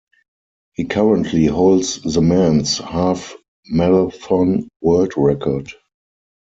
He currently holds the men's half marathon world record.